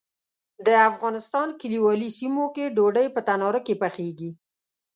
د افغانستان کلیوالي سیمو کې ډوډۍ په تناره کې پخیږي.